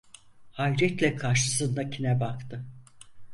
Hayretle karşısındakine baktı.